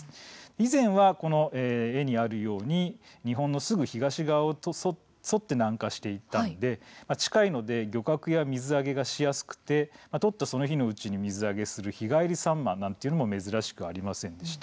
以前はこの絵にあるように日本のすぐ東側に沿って南下していったので近いので、漁獲や水揚げがしやすく取ったその日のうちに水揚げする日帰りサンマも珍しくありませんでした。